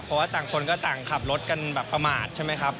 เพราะว่าต่างคนก็ต่างขับรถกันแบบประมาทใช่ไหมครับ